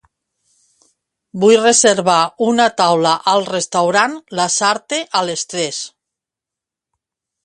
Vull reservar una taula al restaurant Lasarte a les tres.